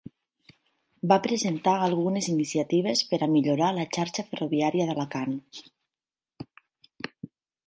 Va presentar algunes iniciatives per a millorar la xarxa ferroviària d'Alacant.